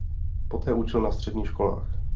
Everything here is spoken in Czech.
Poté učil na středních školách.